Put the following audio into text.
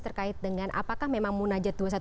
terkait dengan apakah memang munajat dua ratus dua belas